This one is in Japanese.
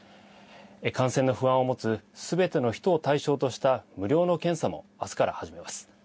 感染の不安を持つすべての人を対象とした無料の検査もあすから始めます。